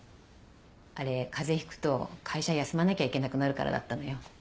あれ風邪ひくと会社休まなきゃいけなくなるからだったのよ。